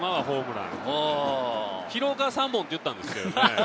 廣岡は３本って言ったんですけどね。